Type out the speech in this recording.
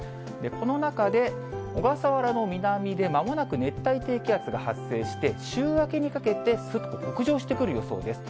この中で、小笠原の南で、まもなく熱帯低気圧が発生して、週明けにかけてすっと北上してくる予想です。